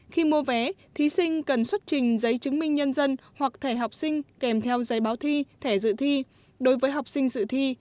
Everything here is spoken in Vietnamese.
khi mua vé thí sinh cần xuất trình giấy chứng minh nhân dân hoặc thẻ học sinh kèm theo giấy báo thi thẻ dự thi đối với học sinh dự thi